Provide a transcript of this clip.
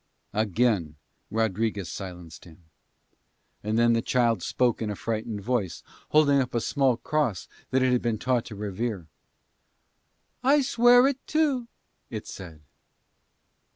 Again Rodriguez silenced him. And then the child spoke in a frightened voice, holding up a small cross that it had been taught to revere. "I swear it too," it said.